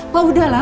pak udah lah